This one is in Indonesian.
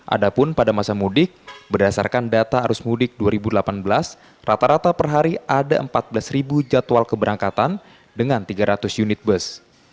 adapun pada masa mudik berdasarkan data arus mudik dua ribu delapan belas rata rata per hari ada empat belas jadwal keberangkatan dengan tiga ratus unit bus